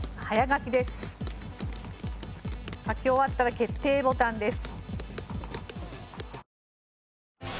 書き終わったら決定ボタンです。